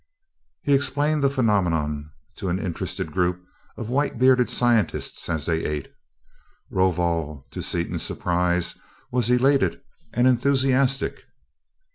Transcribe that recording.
He explained the phenomenon to an interested group of white bearded scientists as they ate. Rovol, to Seaton's surprise, was elated and enthusiastic.